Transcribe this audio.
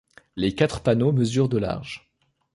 Les quatre panneaux mesurent de large.